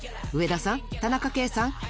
上田さん田中圭さん